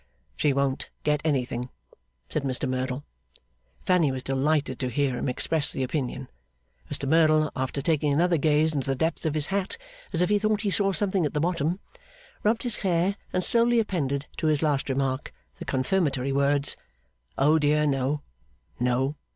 'She won't get anything,' said Mr Merdle. Fanny was delighted to hear him express the opinion. Mr Merdle, after taking another gaze into the depths of his hat as if he thought he saw something at the bottom, rubbed his hair and slowly appended to his last remark the confirmatory words, 'Oh dear no. No.